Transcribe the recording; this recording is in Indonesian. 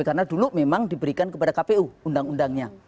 karena dulu memang diberikan kepada kpu undang undangnya